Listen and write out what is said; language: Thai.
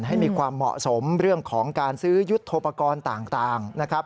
ให้มีความเหมาะสมเรื่องของการซื้อยุทธโปรกรณ์ต่างนะครับ